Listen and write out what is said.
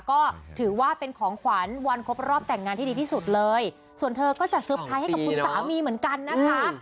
ก็ถือว่าเป็นของขวัญวันครบรอบแต่งงานที่ดีที่สุดเลยส่วนเธอก็จะเซอร์ไพรส์ให้กับคุณสามีเหมือนกันนะคะ